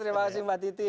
terima kasih mbak titi